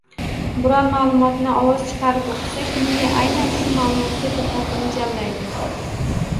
Biron ma’lumotni ovoz chiqarib o‘qisak, miya aynan shu ma’lumotga diqqatni jamlaydi.